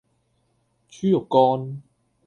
豬肉乾